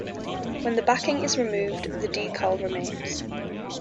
When the backing is removed, the decal remains.